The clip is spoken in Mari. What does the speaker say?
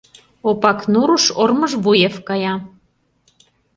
Опакнурыш Ормыжвуев кая.